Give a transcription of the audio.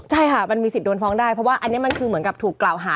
ใช่ค่ะมันมีสิทธิ์โดนฟ้องได้เพราะว่าอันนี้มันคือเหมือนกับถูกกล่าวหา